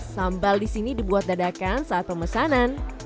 sambal di sini dibuat dadakan saat pemesanan